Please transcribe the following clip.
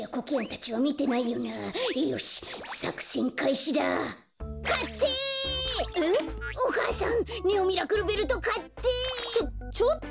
ちょちょっと。